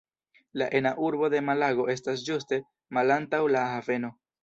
La ena urbo de Malago estas ĝuste malantaŭ la haveno.